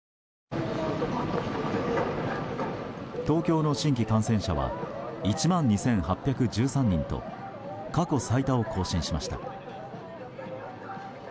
東京の新規感染者は１万２８１３人と過去最多を更新しました。